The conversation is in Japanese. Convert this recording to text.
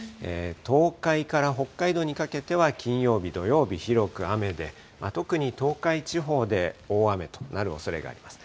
東海から北海道にかけては金曜日、土曜日、広く雨で、特に東海地方で大雨となるおそれがあります。